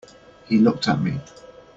He looked at me.